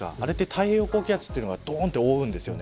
太平洋高気圧がどんと覆うんです。